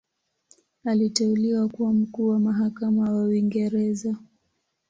Aliteuliwa kuwa Mkuu wa Mahakama wa Uingereza.